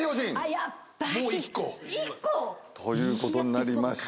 やっぱり。ということになりました。